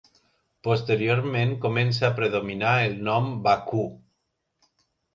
Posteriorment comença a predominar el nom Bakú.